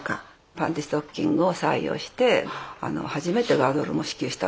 パンティストッキングを採用して初めてガードルも支給したんですよね。